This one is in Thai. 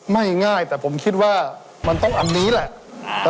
ง่ายแต่ผมคิดว่ามันต้องอันนี้แหละ